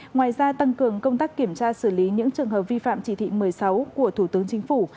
ngoài ra tăng cường công tác kiểm tra xử lý những trường hợp vi phạm chỉ thị một mươi sáu của thủ tướng chính phủ